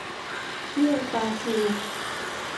เมี่ยงปลาทู